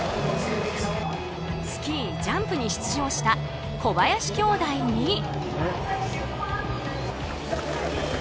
スキージャンプに出場した小林兄弟に。